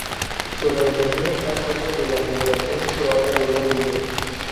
Su organización está a cargo de la Federación Croata de Voleibol.